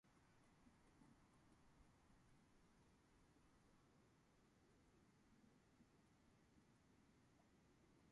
Long was the only member of the Massachusetts delegation who voted against Smith.